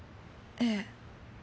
ええ。